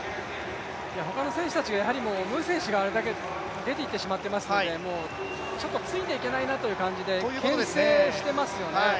他の選手たちがムー選手があれだけ出てしまってるので、もうついていけないなという感じで、けん制してますよね。